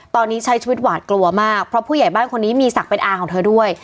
ตอนนี้ใช้ชีวิตหวาดกลัวมากเพราะผู้ใหญ่บ้านคนนี้มีศักดิ์เป็นอาของเธอด้วย